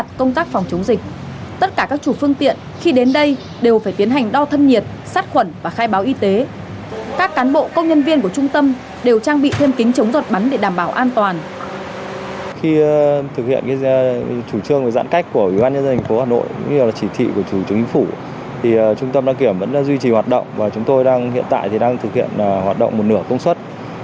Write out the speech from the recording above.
trung tâm đăng kiểm vẫn duy trì hoạt động và chúng tôi hiện tại đang thực hiện hoạt động một nửa công suất